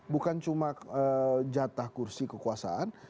bukan cuma jatah kursi kekuasaan